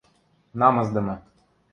– Намысдымы.